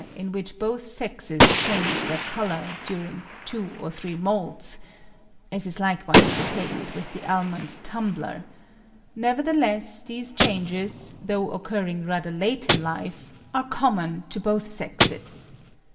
in which both sexes change their colour during two or three moults (as is likewise the case with the Almond Tumbler); nevertheless, these changes, though occurring rather late in life, are common to both sexes.